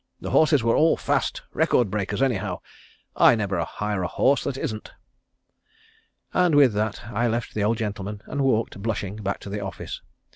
The horses were all fast, record breakers anyhow. I never hire a horse that isn't." And with that I left the old gentleman and walked blushing back to the office.